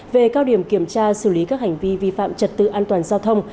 về cao điểm kiểm tra xử lý các hành vi vi phạm trật tự an toàn giao thông